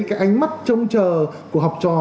cái ánh mắt trông chờ của học trò